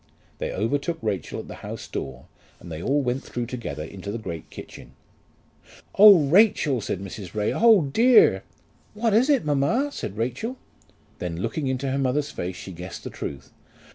They overtook Rachel at the house door and they all went through together into the great kitchen. "Oh, Rachel!" said Mrs. Ray. "Oh, dear!" "What is it, mamma?" said Rachel. Then looking into her mother's face, she guessed the truth.